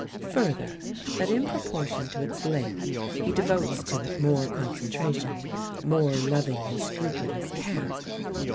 Further, that in proportion to its length he devotes to it more concentration, more loving and scrupulous care.